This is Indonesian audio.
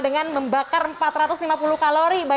silakan berlangganan di kolom komentar